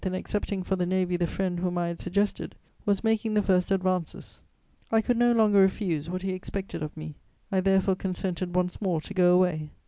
in accepting for the Navy the friend whom I had suggested, was making the first advances; I could no longer refuse what he expected of me: I therefore consented once more to go away.